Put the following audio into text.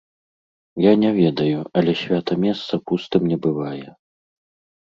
Я не ведаю, але свята месца пустым не бывае.